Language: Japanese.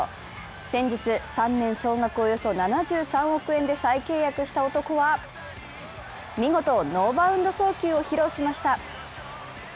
先日、３年総額およそ７３億円で再契約した男は見事、ノーバウンド送球を披露しました。